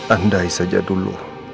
andai saja dulu